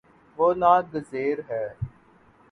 وہ نا گزیر ہے